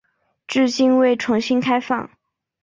至今未重新开放。